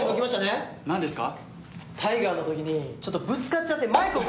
何ですか？